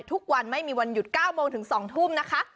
ทุกวันไม่มีวันหยุด๙โมงถึง๒ทุ่มนะคะ